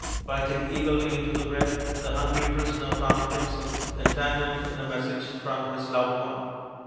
Biting eagerly into the bread, the hungry prisoner found himself entangled in a message from his loved one.